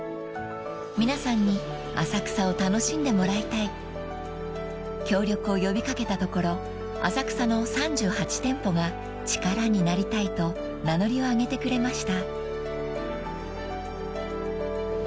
［皆さんに浅草を楽しんでもらいたい］［協力を呼び掛けたところ浅草の３８店舗が力になりたいと名乗りを上げてくれました］